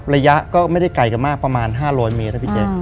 ระยะก็ไม่ได้ไกลกันมากประมาณ๕๐๐เมตรนะพี่แจ๊ค